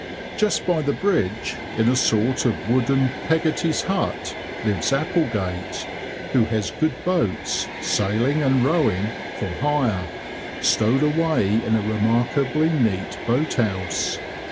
Just by the bridge, in a sort of wooden "Peggoty's Hut," lives Applegate, who has good boats, sailing and rowing, for hire, stowed away in a remarkably neat boat house.